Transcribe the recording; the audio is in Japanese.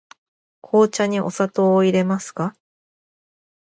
紅茶にお砂糖をいれますか。